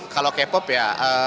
kalau k pop ya